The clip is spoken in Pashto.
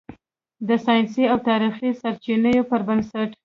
د "ساینسي او تاریخي سرچینو" پر بنسټ